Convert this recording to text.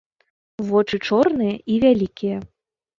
Вочы чорныя і вялікія.